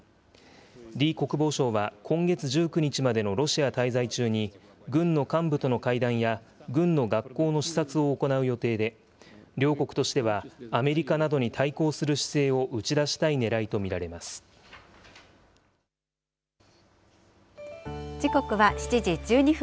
李国防相は今月１９日までのロシア滞在中に、軍の幹部との会談や軍の学校の視察を行う予定で、両国としてはアメリカなどに対抗する姿勢を打ち出したいねらいと時刻は７時１２分。